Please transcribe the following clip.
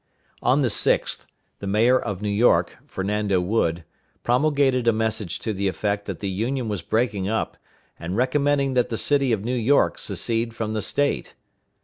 On the 6th, the mayor of New York, Fernando Wood, promulgated a message to the effect that the Union was breaking up, and recommending that the city of New York secede from the State.